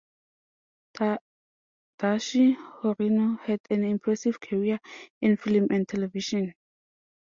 Tadashi Horino had an impressive career in film and television.